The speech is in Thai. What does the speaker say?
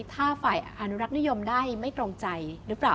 ถ้าฝ่ายอนุรักษ์นิยมได้ไม่ตรงใจหรือเปล่า